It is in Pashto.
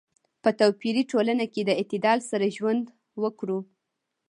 په توپیري ټولنه کې په اعتدال سره ژوند وکړو.